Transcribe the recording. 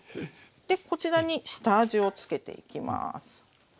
でこちらに下味をつけていきます。